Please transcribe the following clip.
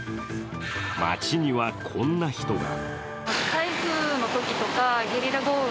街にはこんな人が。